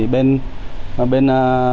bên trung tâm